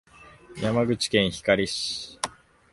山口県光市